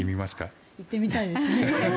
行ってみたいですね。